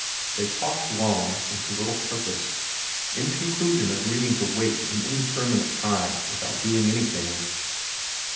They talked long, and to little purpose, in conclusion agreeing to wait an indeterminate time without doing anything.